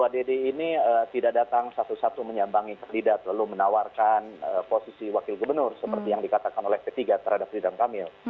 dedy ini tidak datang satu satu menyambangi ketidak lalu menawarkan posisi wakil gubernur seperti yang dikatakan oleh ketiga terhadap ridwan kamil